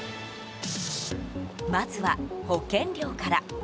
まずは、保険料から。